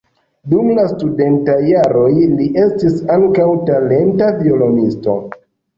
Dum la studentaj jaroj li estis ankaŭ talenta violonisto.